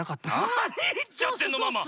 なにいっちゃってんのママ！